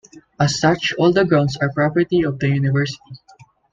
As such all the grounds are property of the University.